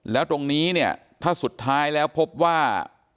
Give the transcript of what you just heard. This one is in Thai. แล้วตรงนี้เนี่ยถ้าสุดท้ายแล้วพบว่า